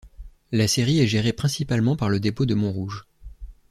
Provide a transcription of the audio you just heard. La série est gérée principalement par le dépôt de Montrouge.